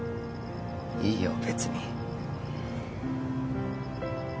いいよ別に。